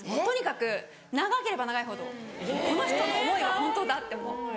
とにかく長ければ長いほどこの人の思いが本当だって思う。